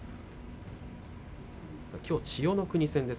きょうは千代の国戦です。